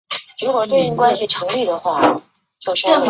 介贵山蹄盖蕨为蹄盖蕨科蹄盖蕨属下的一个变种。